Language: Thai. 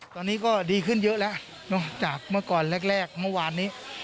ตอนนี้ก็ดีขึ้นเยอะแล้วจากเมื่อก่อนแรกเมื่อวานนี้